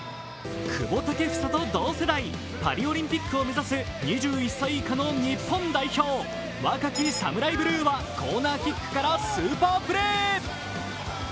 久保建英と同世代、パリオリンピックを目指す２１歳以下の日本代表若い侍ブルーコーナーキックからスーパープレー。